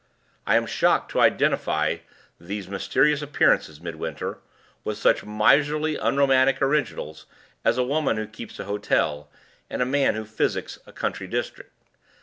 I am shocked to identify these mysterious appearances, Mr. Midwinter, with such miserably unromantic originals as a woman who keeps a hotel, and a man who physics a country district.